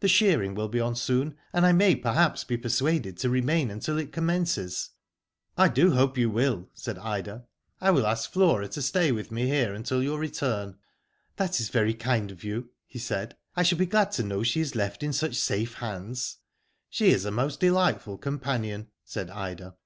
The shearing will be on soon, and I may perhaps be persuaded to remain until it commences." I do hope you will," said Ida. " I will ask Flora to stay with me here until your return." " That is very kind of you," he said. *' I shall be glad to know she is left in such safe hands." She is a most delightful companion," said Ida.